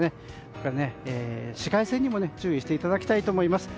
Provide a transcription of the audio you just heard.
それから紫外線にも注意していただきたいと思います。